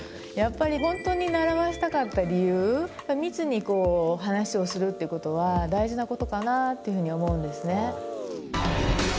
やっぱり本当に習わせたかった理由密に話をするってことは大事なことかなというふうに思うんですね。